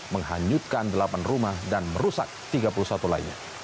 menghanyutkan delapan rumah dan merusak tiga puluh satu lainnya